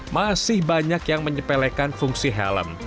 masih banyak yang menyepelekan fungsi helm